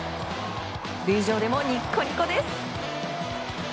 塁上でもニッコニコです。